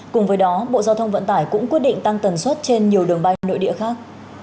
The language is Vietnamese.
cùng với đó bộ giao thông vận tải cũng quyết định tăng tần suất trên nhiều đường bay nội địa khác